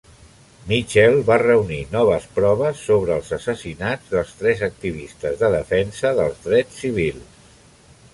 Mitchell va reunir noves proves sobre els assassinats dels tres activistes de defensa dels drets civils.